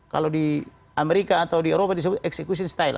kalau di amerika atau di eropa disebut execution style